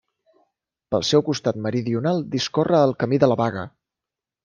Pel seu costat meridional discorre el Camí de la Baga.